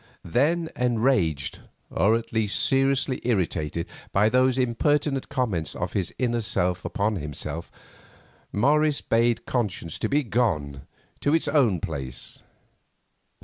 Then enraged, or at least seriously irritated, by these impertinent comments of his inner self upon himself, Morris bade Conscience to be gone to its own place.